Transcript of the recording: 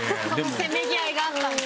せめぎ合いがあったんですね。